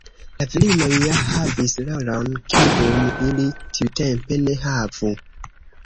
La virinoj ja havis rolon kiun ili tiutempe ne havu.